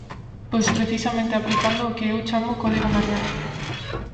Pois precisamente aplicando o que eu chamo Código Mariano.